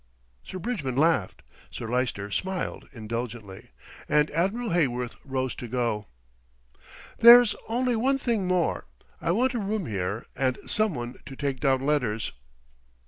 Sir Bridgman laughed, Sir Lyster smiled indulgently, and Admiral Heyworth rose to go. "There's only one thing more; I want a room here and someone to take down letters."